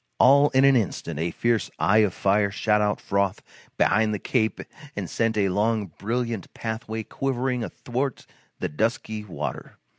All in an instant a fierce eye of fire shot out from behind the cape and sent a long brilliant pathway quivering athwart the dusky water.